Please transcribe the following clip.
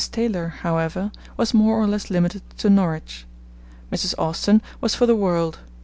Taylor, however, was more or less limited to Norwich. Mrs. Austin was for the world.